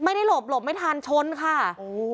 ไม่ได้หลบหลบไม่ทันชนค่ะอูหู